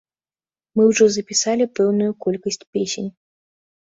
Мы ўжо запісалі пэўную колькасць песень.